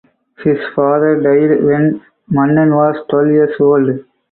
His father died when Mannan was twelve years old.